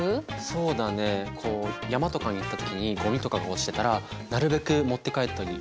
そうだねこう山とかに行った時にゴミとかが落ちてたらなるべく持って帰ったりするようにしてるかな。